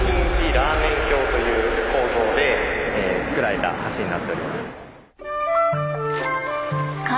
という構造で造られた橋になっております。